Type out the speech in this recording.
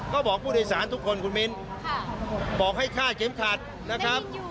ก็บอกผู้โดยสารทุกคนคุณมิ้นบอกให้ฆ่าเข็มขัดนะครับ